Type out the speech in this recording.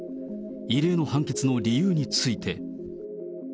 異例の判決の理由について。